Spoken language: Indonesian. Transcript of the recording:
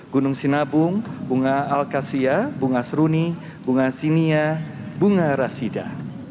gunung sinabung bunga alkasia bunga seruni bunga sinia bunga rasida